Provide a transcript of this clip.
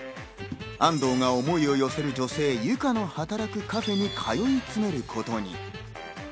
安藤が思いを寄せる女性・ユカの働くカフェに通い詰めることに。